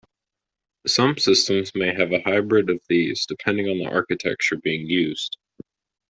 Some systems may have a hybrid of these depending on the architecture being used.